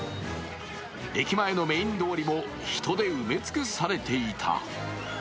駅前のメイン通りも人で埋め尽くされていた。